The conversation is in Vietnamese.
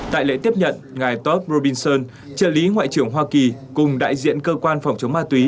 tại lễ tiếp nhận ngài top robinson trợ lý ngoại trưởng hoa kỳ cùng đại diện cơ quan phòng chống ma túy